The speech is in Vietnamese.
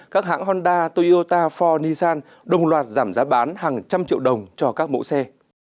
các hãng honda toyota ford nissan đồng loạt giảm giá bán hàng trăm triệu đồng cho các mẫu xe